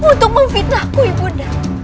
untuk memfitnahku ibu darah